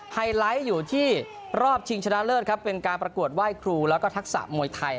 ไฮไลท์อยู่ที่รอบชิงชนะเลิศครับเป็นการประกวดไหว้ครูแล้วก็ทักษะมวยไทย